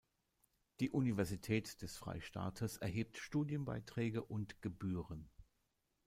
Die Universität des Freistaates erhebt Studienbeiträge und -gebühren.